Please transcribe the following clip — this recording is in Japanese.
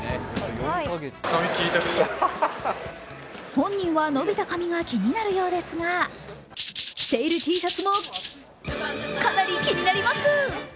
本人は伸びた髪が気になるようですが、着ているＴシャツもかなり気になります。